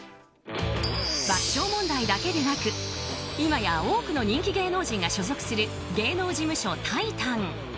爆笑問題だけでなく今や多くの人気芸能人が所属する芸能事務所タイタン。